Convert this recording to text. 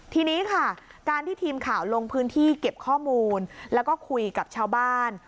ทีนี้ค่ะการที่ทีมข่าวลงพื้นที่เก็บข้อมูลแล้วก็คุยกับชาวบ้าน